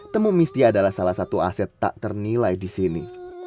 temu misti adalah salah satu aset tak ternilai di sini